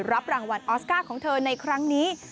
รับรางวัลออสการ์ของเธอในครั้งนี้